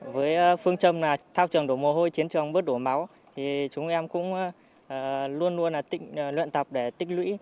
với phương châm là thao trường đổ mồ hôi chiến trường bớt đổ máu thì chúng em cũng luôn luôn luyện tập để tích lũy